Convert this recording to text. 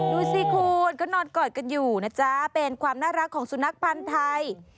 ดูสิคุณก็นอนกอดกันอยู่นะจ๊ะเป็นความน่ารักของสุนัขพันธ์ไทย